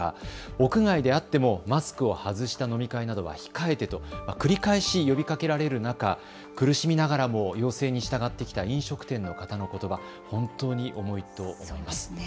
屋外であってもマスクを外した飲み会などは控えてと繰り返し呼びかけられる中、苦しみながらも要請に従ってきた飲食店の方のことば、本当に重いと思います。